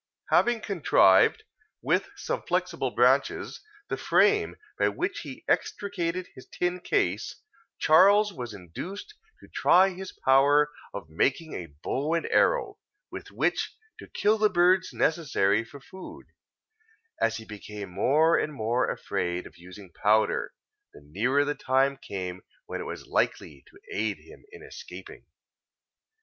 Having contrived, with some flexible branches, the frame by which he extricated his tin case, Charles was induced to try his power of making a bow and arrow, with which to kill the birds necessary for food, as he became more and more afraid of using powder, the nearer the time came when it was likely to aid him in escaping.